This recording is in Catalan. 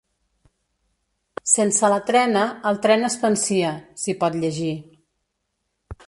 «Sense la trena, el tren es pansia», s'hi pot llegir.